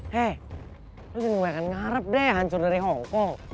he lu jadi ngarep deh hancur dari hongkong